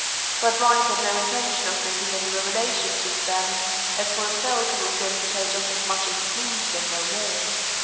But Bryce had no intention of making any revelations just then as for himself he was going to tell just as much as he pleased and no more.